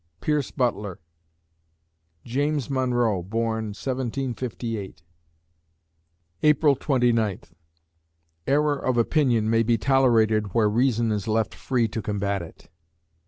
PIERCE BUTLER James Monroe born, 1758 April Twenty Ninth Error of opinion may be tolerated where reason is left free to combat it.